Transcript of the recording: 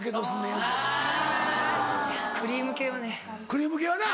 クリーム系はね。